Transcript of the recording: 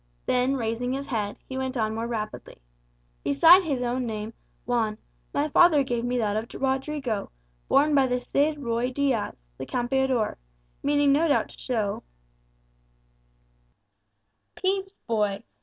Then raising his head, he went on more rapidly: "Beside his own name, Juan, my father gave me that of Rodrigo, borne by the Cid Ruy Diaz, the Campeador, meaning no doubt to show " "Peace, boy!"